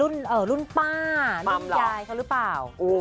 ได้ครับ